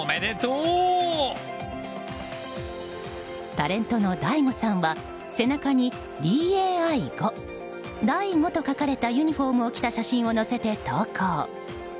タレントのＤＡＩＧＯさんは背中にディー、エー、アイ、５「ＤＡＩ５」と書かれたユニホームを着た写真を載せて投稿。